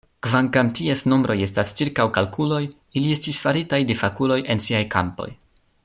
Kvankam ties nombroj estas ĉirkaŭkalkuloj, ili estis faritaj de fakuloj en siaj kampoj.